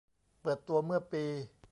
เปิดตัวเมื่อปี